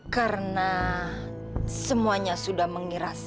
karena semuanya sudah mengira